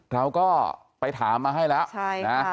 เราก็ไปถามมาให้แล้วนะ